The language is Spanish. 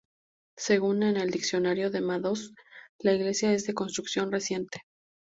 Según en el diccionario de Madoz, la iglesia es de construcción reciente.